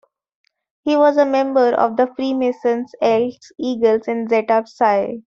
He was a member of the Freemasons, Elks, Eagles, and Zeta Psi.